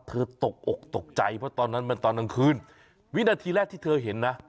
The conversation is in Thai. ตกอกตกใจเพราะตอนนั้นมันตอนกลางคืนวินาทีแรกที่เธอเห็นนะ